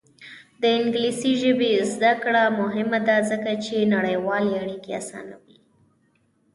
د انګلیسي ژبې زده کړه مهمه ده ځکه چې نړیوالې اړیکې اسانوي.